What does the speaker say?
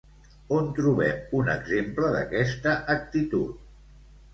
On trobem un exemple d'aquesta actitud?